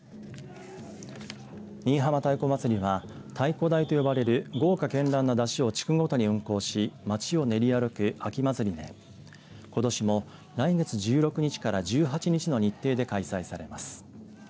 新居浜太鼓祭りは太鼓台と呼ばれる豪華けんらんな山車を地区ごとに運行し街を練り歩く秋祭りでことしも来月１６日から１８日の日程で開催されます。